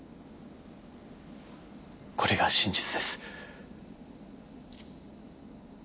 これが真実です。